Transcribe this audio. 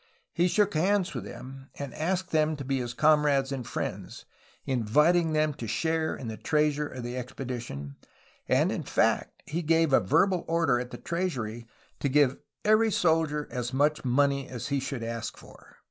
He shook hands with them and asked them to be his comrades and friends, inviting them to share in the treasure of the expedi tion, and in fact he gave a verbal order at the treasury to give every soldier as much money as he should ask for.